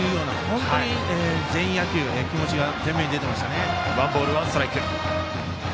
本当に全員野球、気持ちが前面に出ていました。